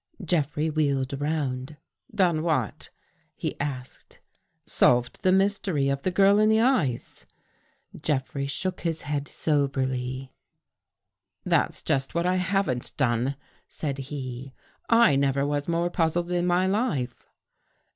Jeffrey wheeled around. " Done what? " he asked. " Solved the mystery of the girl in the ice." Jeffrey shook his head soberly. " That's just 179 THE GHOST GIRL what I haven't done," said he. " I never was more puzzled in my life."